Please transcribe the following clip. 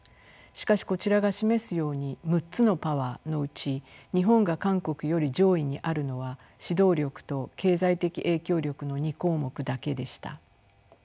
しかしこちらが示すように６つのパワーのうち日本が韓国より上位にあるのは指導力と経済的影響力の２項目だけでした。